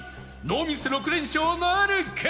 ノーミス６連勝なるか？